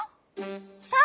そう！